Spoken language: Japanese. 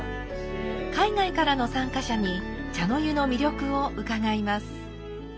海外からの参加者に茶の湯の魅力を伺います。